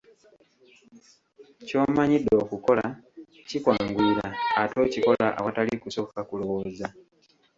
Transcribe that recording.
Ky'omanyidde okukola, kikwanguyira, ate okikola awatali kusooka kulowooza.